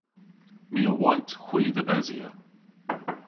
My a wayt hwi dhe besya.